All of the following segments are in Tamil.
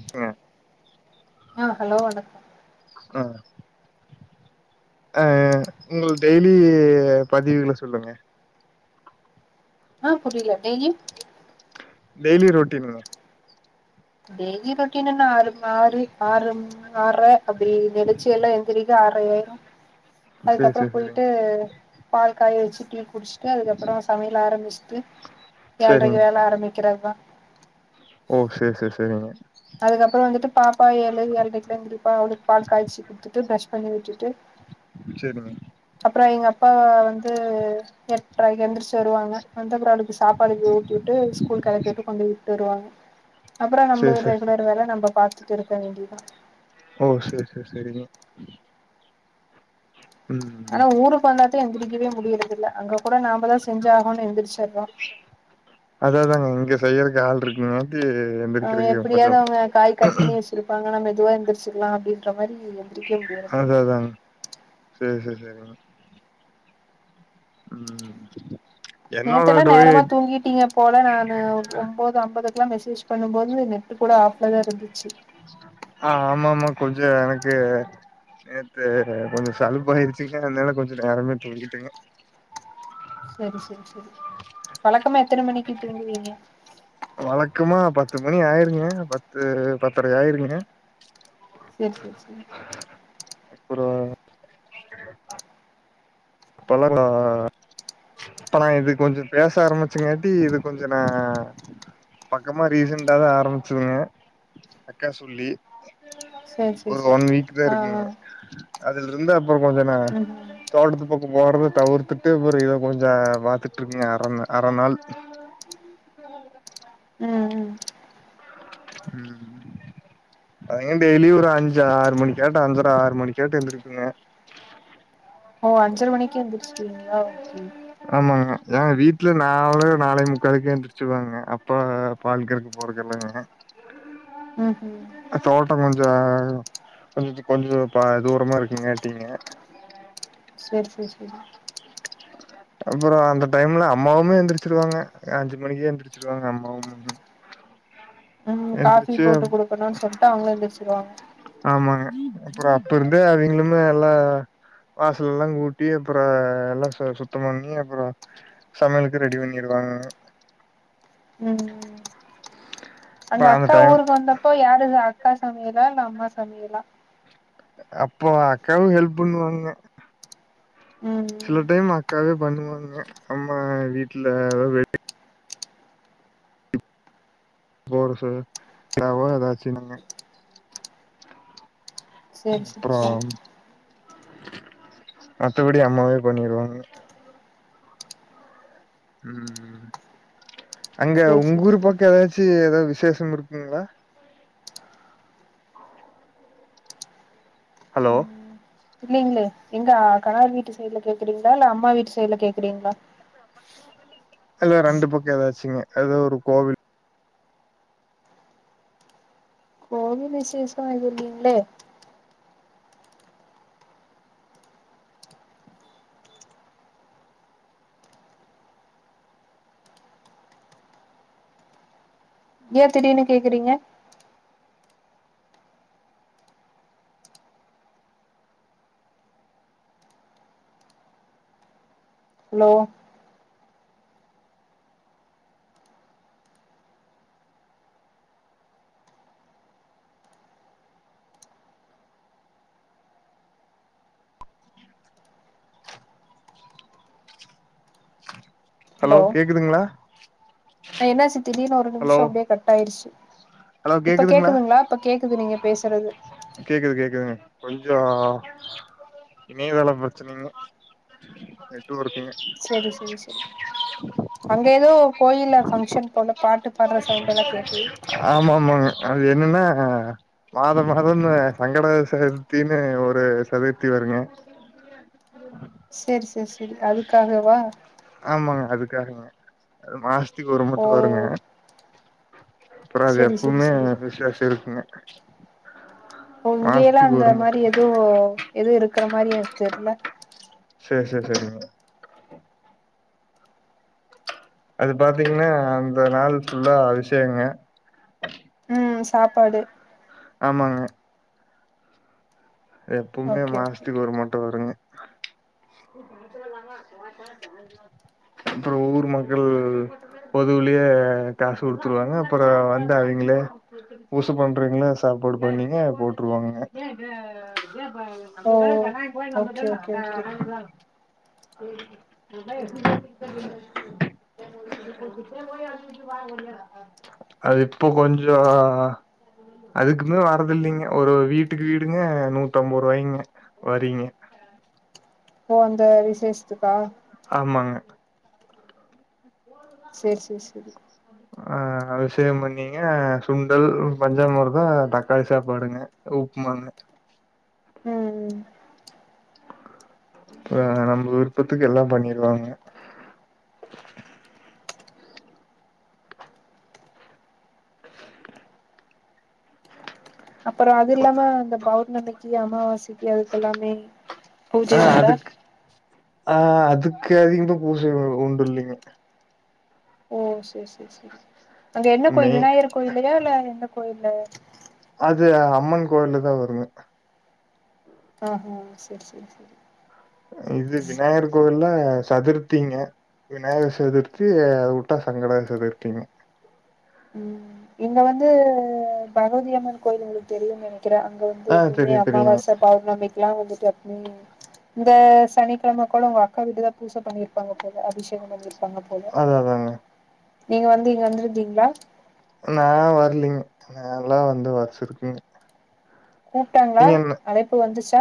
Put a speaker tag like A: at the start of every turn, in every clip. A: ஹலோ
B: ஆ ஹலோ வணக்கோ
A: அ ஆ உங்களது டெய்லி பதிவுகள சொல்லுங்க
B: அ புரில டெய்லி
A: டெய்லி ரொட்டீன்களலா
B: டெய்லி ரொட்டீன் என்ன ஆறும் ஆறு ஆறும் ம் ஆற்ர அப்டியே நெளிச்சு எல்லா எந்திரிக்க ஆற்ரையாய்ரு
A: சேரி
B: அதுக்கப்றோ
A: சேரி சேரிங்க
B: போய்ட்டு பால் காய வச்சு ட்டு குடுஸ்ட்டு அதுக்கப்புறோ சமையல் ஆரமிஸ்ட்டு ஏழ்ரைக்கு
A: சேரிங்க
B: வேல ஆரமிக்கிறதா
A: ஓ சேர் சேர் செரிங்க
B: அதுக்கப்புறோ வந்துட்டு பாப்பா ஏழு ஏழ்ரைக்குதா எந்திரிப்பா அவளுக்கு பால் காய்ச்சி குடுத்துட்டு பிரஷ் பண்ணி விட்டுட்டு
A: சேர்மா
B: அப்றோ எங்க அப்பா வந்து எட்ரக்கி எந்திருச்சு வருவாங்க வந்து அப்புறோ அவளுக்கு சாப்பாடு ஊட்டிவுட்டு ஸ்கூல்க் கெளப்பிட்டு கொண்டுபோய் உட்டு வருவாங்க அப்பறோ நம்ப
A: சேரி சேரி
B: ரெகுலர் வேல நம்ப பாத்துட்டிருக்க வேண்டிதா
A: ஓ சேர் சேர் செரிங்க
B: ஆனா ஊருக் வந்தாத்தா எந்திரிக்கவே முடியறதுல்ல அங்க கூட நாம்பதா செஞ்சாகுன் எந்திச்சிர்றோ
A: அதா அதாங்க இங்க செய்யறக்கு ஆள்ட்ருக்குங்காட்டி எந்திரிக்கிறீங்க கொஞ்சோ
B: இருப்பாங்க நா மெதுவா எந்துர்ச்சுக்குலா அப்டின்ற மாரி இல்ல
A: அது அதாங் செரி செரி செரிங்க ம் என்னோட
B: நேத்தெல்லா நேரமா
A: டொயட்
B: தூங்கிட்டீங்க போல நானு ஒன்போது அம்பதுக்குல்லாம் மெசேஜ் பண்ணும்போது நெட்டு கூட ஆஃப்ல தா இருந்துச்சு
A: ஆ ஆமா ம்மா கொஞ்சோ எனக்கு நேத்து கொஞ்ச சலுப்பாயிருச்சுங்க அதனால கொஞ்ச நேரமே தூங்கிட்டேங்க
B: சரி சரி சரி வழக்கமா எத்தன மணிக்கு தூங்குவீங்க
A: வழக்கமா பத்து மணி ஆயிருங்க பத்து பத்தரை ஆயிருங்க
B: செர் செர் செரி
A: அப்புறோ இப்பல்லா ல்ல இப்ப நா இது கொஞ்சோ பேச ஆரம்பிச்சங்காட்டி இது கொஞ்சோ நா பக்கமா ரீசன்டா தா ஆரம்பிச்சதுங்க அக்கா சொல்லி
B: சரி சரி
A: ஒரு
B: சரி
A: ஒன் வீக் தா
B: ஆ ஆ
A: இருக்குங்க அதுல இருந்து அப்புறோ கொஞ்சோ நா
B: ம் ம்
A: தோட்டத்து க்கு போறத தவிர்த்துட்டு ஒரு இத கொஞ்சோ பாத்துட்ருக்கங்க அறந அர நாள்
B: ம் ம்
A: ம் அதா டெய்லி ஒரு அஞ்சு ஆறு மணிக்காட்ட அஞ்சுற ஆறு மணிக்காட்டு எந்திரிக்குங்க
B: ஓ அஞ்சர மணிக்கே எந்திர்ச்டீங்ளா ஓகே
A: ஆமாங்க ஏன் வீட்ல நாலு நாலே முக்காலுக்கே எந்திர்ச்சுவேங்க அப்பா வ பால்கற்க்க போறக்கெல்லாங்க
B: ம் ஹூம்
A: அ தோட்டோ கொஞ்சோ கொஞ்சி கொஞ்சோ பா தூரமா இருக்கங்காட்டீங்க
B: செர் செர் செரி
A: அப்புறோ அந்த டைம்ல அம்மாவுமே எந்திரிச்சிருவாங்க அஞ்சு மணிக்கே எந்திரிச்சிருவாங்க அம்மாவுமே
B: ம் காஃபி போட்டு குடுக்கனுன்னு சொல்டு அவங்ளு எந்திரிச்சிருவாங்க
A: ஆமாங்க அப்புறோ அப்ப இருந்தே அவிங்ளுமே எல்லா வாசல்லா கூட்டி அப்புறோ எல்லா சுத்தம் பண்ணி அப்புறோ சமைல்க்கு ரெடி பண்ணிடுவாங்கங்க
B: ம் அங்க
A: அப்புறம் அந்த
B: அக்கா
A: டைம்
B: ஊருக்கு வந்தப்போ யாருங்க அக்கா சமையலா இல்ல அம்மா சமையலா
A: அப்போ அக்காவு ஹெல்ப் பண்ணுவாங்க
B: ம்
A: சில டைம் அக்காவே பண்ணுவாங்க அம்மா வீட்ல ஏ வேல செய்யி எதாவோ எதனாச்சுனங்க
B: சேரி சேரி
A: அப்புறோ
B: சேரி
A: மத்தபடி அம்மாவே பண்ணிருவாங்க ம் ம் ம் அங்க
B: சேரி சேரி
A: உங்க ஊரு
B: சேரி
A: பக்கோ எதாச்சு ஏதாவ் விசேஷம் இருக்குங்ளா ஹலோ
B: இல்லேங்ளே எங்க கணவர் வீட்டு சைட்ல கேக்குறீங்ளா இல்ல அம்மா வீட்டு சைட்ல கேக்குறீங்ளா
A: ஹலோ ரெண்டு பக்கோ ஏதாச்சுங்க ஏதோ ஒரு கோவில்
B: எங்குமே விசேஷோ இல்லிங்ளே ஏன் திடீர்ன்னு கேக்குறீங்க ஹலோ
A: ஹலோ கேக்குதுங்ளா
B: ஆ என்னாச்சு திடீன்னு ஒரு நிம்ஷோ அப்டியே கட் ஆய்ருச்சு
A: ஹலோ
B: இப்ப
A: கேக்குதுங்களா
B: கேக்குதுங்ளா இப்ப கேக்குது நீங்க பேசுறது
A: கேக்குது கேக்குதுங்க கொஞ்சோ இணைதள பிரச்சனைங்க நெட்டு ஒர்க்குங்க
B: செரி செரி செரி அங்க ஏதோ கோயில்ல பங்க்ஷன் போல பாட்டு பாட்ற சவுண்ட்டெல்லா கேக்குது
A: ஆமா ஆமாங்க அது என்னன்னா மாதம் மாதோன்னா சங்கடகர சதுர்த்தினு ஒரு சதுர்த்தி வருங்க
B: செரி செரி செரி அதுக்காகவா
A: ஆமாங்க அதுக்காகதாங்க அது மாசத்திக்கு ஒரு
B: ஓ
A: மட்டு வருங்க அப்புறோ அது
B: சேரி சேரி
A: எப்பவுமே
B: சேரி
A: விஷேசோ இருக்குங்க
B: ஒ இங்கே எல்லா
A: மாசத்துக்கு
B: அந்த
A: ஒரு மட்டு
B: மாரி எதோ எதுவு இருக்குற மாரி எனகு தெரில
A: சேரி சேரி சேரிங்க அது பாத்தீங்கன்னா அந்த நாள் ஃபுல்லா அவிஷேகங்க
B: ம் சாப்பாடு
A: ஆமாங்க எப்பவுமே
B: ஓகே ஓகே
A: மாசத்துக்கு ஒரு மட்ட வருங்க அப்புறோ ஊர் மக்கள் பொதுவலயே காசு குடுத்துருவாங்க அப்ற வந்து அவிங்களே ஊசு பண்றீங்களா சாப்பாடு பண்ணீங்க போட்டுருவாங்கங்க நம்ம
B: ஓ
A: க கன்னாய போய நம்ம க
B: ஓகே ஓகே
A: அந்த
B: ஓகே
A: அரதான் அது இப்போ கொஞ்சோ அதுக்குமே வரதில்லைங்க ஒரு வீட்டுக்கு வீடுங்க நூத்தம்பது ரூபாய்ங்க வரிங்க
B: ஓ அந்த விசேஷத்துக்கா
A: ஆமாங்க
B: சேரி சேரி சேரிங்
A: சொல்லு ஆ அபிஷேகம் பண்ணீங்க சுண்டல் பஞ்சாமுர்தோ தக்காளி சாப்பாடுங்க உப்மாங்க
B: ம் ம்
A: அ நம்ம விருப்பத்துக்கு எல்லாம் பண்ணிருவாங்க
B: அப்புற அது இல்லாம அந்த பௌர்ணமிக்கு அமாவாசைக்கு அதுக்கெல்லாமே பூஜை
A: அ
B: உண்டா
A: அதுக் ஆ அதுக்கு அதிக தா பூசை உண்டு இல்லீங்க
B: ஓ சரிெ செரி செரி அங்க என்ன கோயில்
A: மெய்
B: விநாயகர் கோயில்யா இல்ல எந்த கோயில்ல
A: அது அம்மன் கோயில தா வருங்க
B: ஆஹா செரி செரி செரி
A: இது விநாயகர்க்கு கோவில சதுர்த்திங்க விநாயகர் சதுர்த்தி அதை வுட்டா சங்கடகர சதுர்த்திங்க
B: ம் இங்க வந்து பகவதிய அம்மன் கோயில் உங்களுக்கு தெரியுனு நென க்கிற அங்க வந்து
A: ஆ
B: எப்பவுமே
A: தெரியும், தெரியுங்க.
B: அமாவாசை பௌர்ணாமிக்க எல்லா வந்துட்டு எப்பவு இந்த சனிக்கிழமை கூட உங்க அக்கா வீட்டுதா பூசை பண்ணியிருப்பாங்க போல அபிஷேகம் பண்ணியிருப்பாங்க போல
A: அததாங்க
B: நீங்க வந்து இங்க வந்துருந்தீங்களா
A: நா வர்லீங்க நல்லா வந்து வருஷருக்குங்
B: கூப்டாங்ளா அழைப்பு வந்துச்சா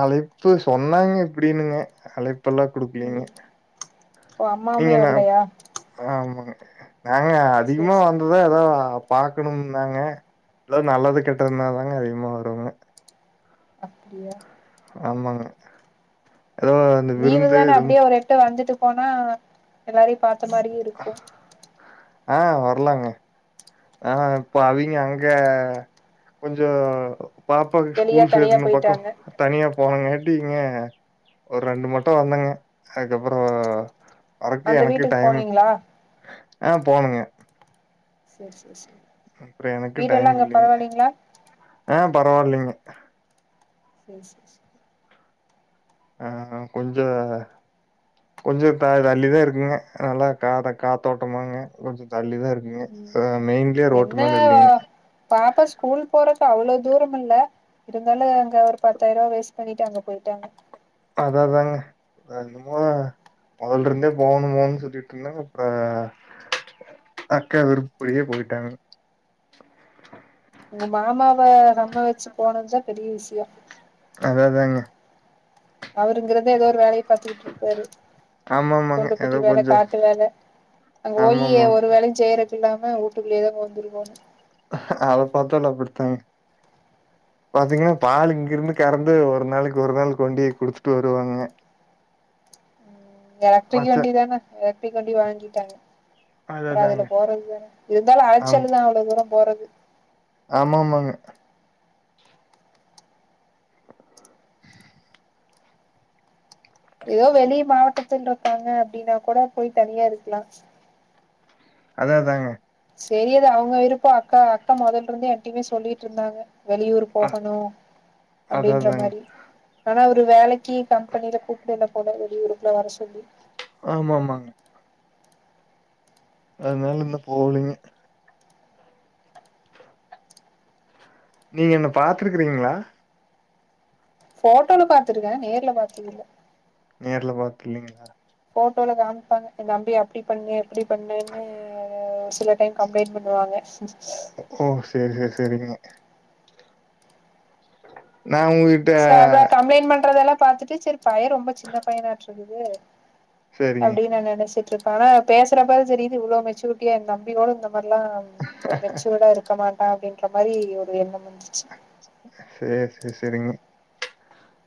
A: அழைப்பு சொன்னாங்க இப்புடினுங்க அழைப்பு எல்லா
B: ம்
A: குடுக்லீங்க
B: ஓ அம்மாவுமே
A: நீங்கனா
B: வரலையா
A: ஆமாங்க நாங்க
B: சேரி
A: அதிகமா
B: சேரி
A: வந் து ஏதா பாக்கணும் தாங்க ஏதா நல்லது கெட்டதுன்னா தாங்க அதிகமா வருவங்க
B: அப்படியா
A: ஆமாங்க ஏதோ அந்த
B: லீவு
A: விருந்து
B: தானே
A: இதுவும்
B: அப்படியே ஒரு எட்டு வந்துட்டு போனா எல்லாரையும் பாத்த மாரியு
A: ஆ வர்லாங்க ஆனா இப்போ அவிங்க அங்க கொஞ்சோ பாப்பாக்கு
B: வெளிய
A: ஸ்கூல்
B: தனியா
A: சேக்கனு பக்கோ
B: போயிட்டாங்க
A: தனியா போனங்காட்டிங்க ஒரு ரெண்டு மட்டோ வந்தங்க அதுக்கப்றோ வறக்கு
B: அந்த
A: எனக்கு
B: வீட்டுக்கு
A: டைம்
B: போனீங்களா
A: ஆ போனங்க
B: சேரி சேரி சேரி
A: அப்றோ எனக்கு டைம்
B: வீடெல்லா அங்க
A: இல்லைங்க
B: பரவாயில்லைங்களா
A: ஆ பரவால்லைங்க
B: சேர் சே சே
A: ஆ கொஞ்ச கொஞ்சோ தா தள்ளி தா இருக்குங்க நல்லா காத் காத்தோட்டமாங்க கொஞ்சோ தள்ளி தா இருக் க
B: ம்
A: இப்பதா மெயின்லியே ரோட்டு
B: என்ன
A: மேல இல்லைங்க
B: பாப்பா ஸ்கூல் போறக்கு அவ்ளோ தூரம் இல்ல இருந்தாலு அங்க ஒரு பத்தாயிர் ரூபா வேஸ்ட் பண்ணிட்டு அங்க போயிட்டாங்க
A: அதா அதாங்க அது என்மா மொதல்ல இருந்தே போகணு போனுன் சுத்திட்டு இருந்தா அப்ப அக்கா விருப் படியே போயிட்டாங்க
B: உங்க மாமாவ சம்மதிச்சி போனதுதா பெரிய விஷியோ
A: அதா அதாங்க
B: அவரு இங்க இருந்த ஏதோ ஒரு வேலைய பாத்துக்கிட்டு இருப்பாரு
A: ஆமாமாங்க.
B: தூண்டு குட்டி
A: ஏதோ
B: வேல
A: கொஞ்சம்
B: காட்டு வேல அங்க போயி
A: ஆமாமாங்க.
B: ஒரு வேலையு செய்றக்கு இல்லாம ஊட்டுக்குள்ளேயதா வந்துருகோனு
A: அத பாத்தாலு அப்புடித்தாங்க பாத்தீங்கன்னா பால் இங்கிருந்து கறந்து ஒரு நாளைக்கு ஒரு நாள் கொண்டு போய் குடுத்துட்டு வருவாங்கங்க
B: எலக்டரிக் வண்டி
A: மச்சான்
B: தானே எலக்டரிக் வண்டி வாங்கிட்டாங்க
A: அத
B: அப்றோ
A: தாங்க.
B: அதுல போறது தானே இருந்தாலு அளச்சலு தா அவ்ளோ தூரோ போறது
A: ஆமா ஆமாங்க
B: ஏதோ வெளிய மாவட்டத்தில் இருக்காங்க அப்படின்னா கூட போய் தனியா இருக்லா
A: அதா அதாங்க
B: சேரி அது அவுங்க விருப்போ அக்கா அக்கா மொதல்ல இருந்தே என்டையுமே சொல்லிட்டு இருந்தாங்க வெளியூர் போகணு
A: அத
B: அப்டின்ற
A: தாங்க.
B: மாரி ஆனா அவரு வேலைக்கு கம்பெனில கூப்புட்ல போல என்ன போன வெளி ஊருக்லா வர சொல்லி
A: ஆமா ஆமாங்க அதனால இந்த போலீங்க நீங்க என்ன பாத்துருக்றீங்ளா
B: ஃபோட்டோல பாத்துருக்கே நேர்ல பாத்ததில்ல
A: நேர்ல பாக்ளிங்லா
B: போட்டோல காமிப்பாங்க எந்தம்பிய அப்டி பண்ண எப்டி பண்ணேன்னு ஒரு சிலர் டைம் கம்பளைண்ட் பண்ணுவாங்க
A: ஓ சேரி சேரி சேரிங்க நா உங்ககிட்
B: சேவே கம்ப்ளைண்ட் பண்றதெல்லா பாத்துட்டு செரிப் பைய ரொம்ப சின்ன பயனாட்ருகுது
A: சரிங்க.
B: அப்டின் நா நெனச்சிட் ட்ருக்கு ஆனா பேசறப்பதா தெரியிது இவ்ளோ மெச்சூரிட்டியா எந்தம்பி கூட இந்த மார்லா ஒரு மெச்சூர்டா இருக்க மாட்டா அப்டின்ற மாரி ஒரு எண்ணம் வந்துச்சு
A: சேர் சேர் செரிங்க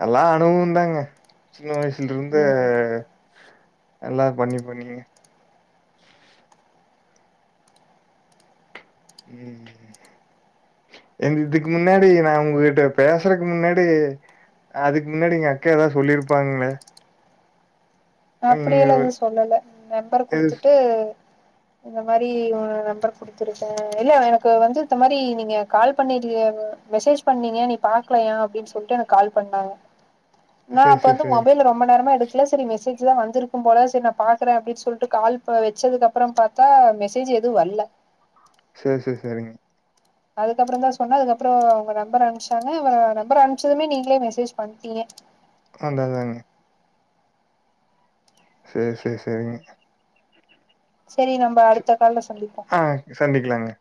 A: எல்லா அனுபுவுந்தாங்க சின்ன வயசுலருந்து
B: ம்
A: எல்லார் பண்ணி பண்ணி ம் ம் எந் இதுக்கு முன்னாடி நா உங்ககிட்ட பேசறக்கு முன்னாடி அதுக்கு முன்னாடி எங்க அக்கா எதா சொல்லிருப்பாங்ளே
B: அப்டியெல்லா எது சொல்லல நம்பர்
A: இது
B: குடுத்துட்டு இந்த மாரி உ நம்பரக்கு வுத்துருக்கே இல்ல எனக்கு வந்து இந்த மாதிரி நீங்க கால்ப் பண்ணி இல்யேவே மெசேஜ் பண்ணீங்க நீ பா க்லையா அப்டின் சொல்ட்டு எனக்கு கால் பண்ணாங்க
A: [inaudible]
B: நா
A: சேரி
B: அப்ப
A: சேரி
B: வந்து
A: சேரி
B: மொபைல ரொம்ப நேரமா எடுக்ல செரி மெசேஜ் ஜ்லா வந்திருக்கும் போல செரி நா பாக்றே அப்டின் சொல்ட்டு கால்ப் அ வச்சதுக்கு அப்றம் பாத்தா மெசேஜ் எதுவு வல்ல
A: சே சே சேரிங்க
B: அதுக்கப்றந்தா சொன்னே அதுக்கப்றோ அவுங்க நம்பர அம்ப்ச்சாங்க அவ நம்பர் அம்ப்ச்சதுமே நீங்ளே மெசேஜ் பண்ட்டீங்க
A: அதா அதாங்க சே சே சேரிங்க
B: செரி நம்ப அடுத்த கால்ல சந்திப்போ
A: சந்திக்லாங்க